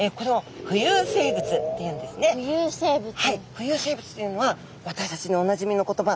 浮遊生物というのは私たちにおなじみの言葉